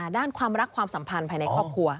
ด้านความรักความสัมพันธ์ภายในครอบครัว